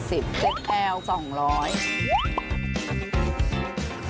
เซ็ตแอล๒๐๐บาท